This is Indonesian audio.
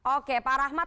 oke pak rahmat